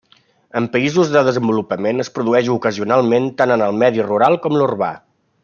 En països en desenvolupament es produeix ocasionalment tant en el medi rural com l'urbà.